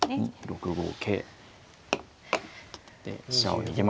６五桂飛車を逃げます。